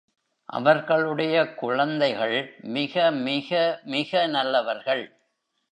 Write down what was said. அவர்களுடைய குழந்தைகள் மிக மிக மிக நல்லவர்கள்.